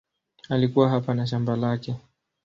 Alikuwa hapa na shamba lake.